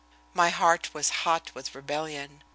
My heart was hot with rebellion.